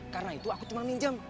karena itu aku cuma minjam